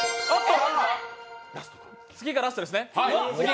次がラストですね。